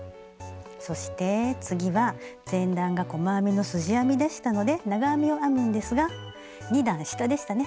そして次は前段が細編みのすじ編みでしたので長編みを編むんですが２段下でしたね。